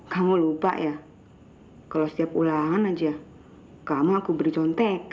kamu lupa ya kalau setiap ulangan aja kamu aku beri contek